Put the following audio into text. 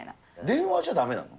電話じゃだめなの？